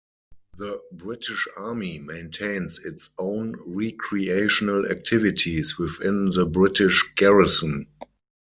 The British Army maintains its own recreational activities within the British Garrison.